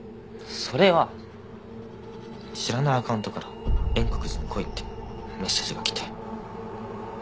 それは知らないアカウントから円国寺に来いってメッセージが来て。